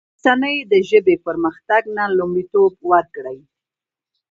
رسنی دي د ژبې پرمختګ ته لومړیتوب ورکړي.